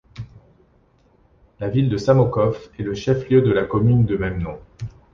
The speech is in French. La ville de Samokov est le chef-lieu de la commune de même nom.